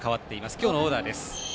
今日のオーダーです。